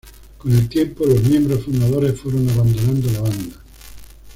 Con el tiempo, los miembros fundadores fueron abandonando la banda.